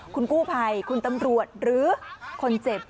คุณกู้ภัยคุณตำรวจหรือคนเจ็บ